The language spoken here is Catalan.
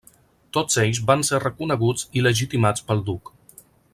Tots ells van ser reconeguts i legitimats pel duc.